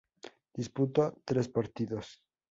Disputó tres partidos.